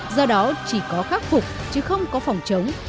do đó chỉ có khắc phục chứ không có phòng chống